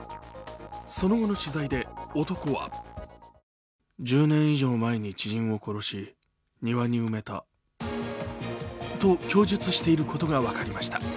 その後の取材で男はと、供述していることが分かりました。